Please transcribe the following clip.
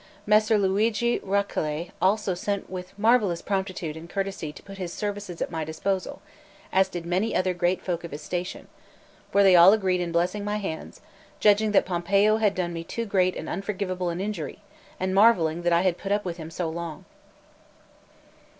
Messer Luigi Rucellai also sent with marvellous promptitude and courtesy to put his services at my disposal, as did many other great folk of his station; for they all agreed in blessing my hands, judging that Pompeo had done me too great and unforgivable an injury, and marvelling that I had put up with him so long.